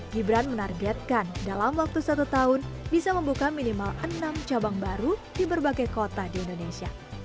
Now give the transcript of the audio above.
gibran menargetkan dalam waktu satu tahun bisa membuka minimal enam cabang baru di berbagai kota di indonesia